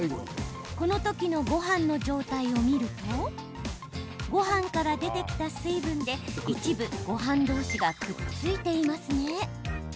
この時のごはんの状態を見るとごはんから出てきた水分で一部、ごはん同士がくっついていますね。